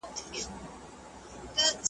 ایا مسواک وهل د زکام په مخنیوي کې مرسته کوي؟